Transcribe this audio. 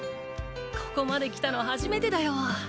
ここまで来たの初めてだよ！